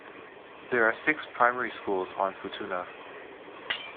There are six primary schools on Futuna.